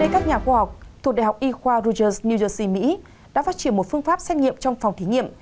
các nhà khoa học thuộc đại học y khoa rojerse new jersey đã phát triển một phương pháp xét nghiệm trong phòng thí nghiệm